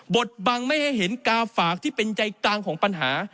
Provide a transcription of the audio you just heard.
ดบังไม่ให้เห็นกาฝากที่เป็นใจกลางของปัญหา